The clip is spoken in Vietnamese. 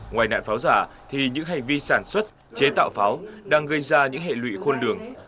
ngoài nạn pháo giả thì những hành vi sản xuất chế tạo pháo đang gây ra những hệ lụy khôn lường